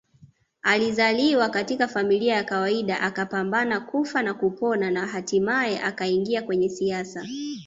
Alizaliwa katika familia ya kawaida akapambana kufa na kupona na hatimaye akaingia kwenye siasa